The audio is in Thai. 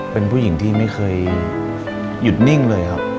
เป็นผู้หญิงที่ไม่เคยหยุดนิ่งเลยครับ